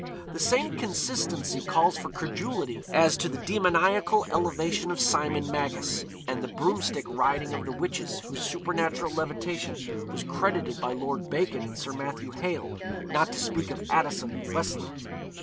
The same consistency calls for credulity as to the demoniacal elevation of Simon Magus, and the broomstick riding of the witches whose supernatural levitation was credited by Lord Bacon and Sir Matthew Hale, not to speak of Addison and Wesley.